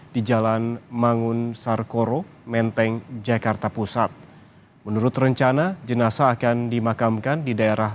di jalan mangun sarkoro menteng jakarta pusat menurut rencana jenazah akan dimakamkan di daerah